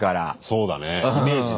そうだねイメージね。